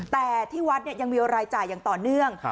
แต่ที่วัดยังมีรายจ่ายอย่างต่อเนื่อง